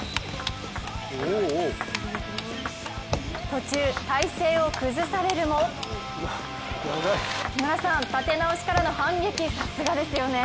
途中、体勢を崩されるも木村さん、立て直しからの反撃、さすがですよね。